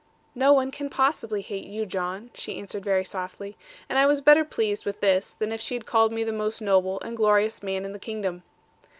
'No one can possibly hate you, John,' she answered very softly; and I was better pleased with this, than if she had called me the most noble and glorious man in the kingdom.